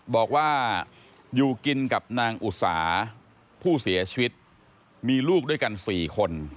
บอกว่าอยู่กินกับนางอุสาผู้เสียชีวิตมีลูกด้วยกัน๔คน